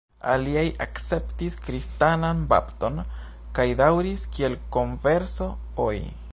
Aliaj akceptis kristanan bapton kaj daŭris kiel "converso"-oj.